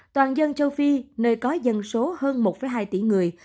toàn dân châu phi nơi có dân số hơn một hai tỷ người